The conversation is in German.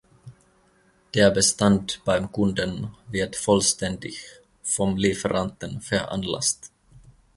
Der Bestand beim Kunden wird vollständig vom Lieferanten veranlasst.